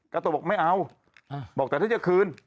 โตบอกไม่เอาบอกแต่ถ้าจะคืน